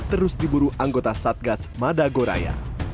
terus diburu anggota satgas madagoraya